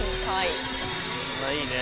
いいね。